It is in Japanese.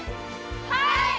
はい！